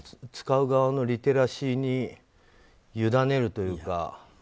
使う側のリテラシーに委ねるというか。